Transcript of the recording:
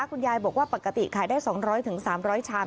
คุณยายบอกว่าปกติขายได้สองร้อยถึงสามร้อยชาม